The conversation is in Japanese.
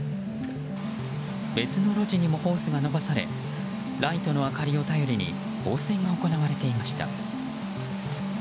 別の路地にもホースが伸ばされライトの明かりを頼りに放水が行われていました。